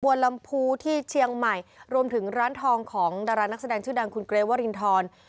ลำพูที่เชียงใหม่รวมถึงร้านทองของดารานักแสดงชื่อดังคุณเกรทวรินทร